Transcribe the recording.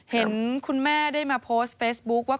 เห็นคุณแม่ได้มาโพสต์เฟซบุ๊คว่า